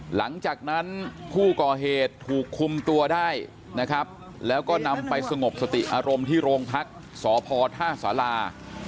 หลังจากนั้นผู้ก่อเหตุถูกคุมตัวได้นะครับแล้วก็นำไปสงบสติอารมณ์ที่โรงพักษ์สพท่าสารา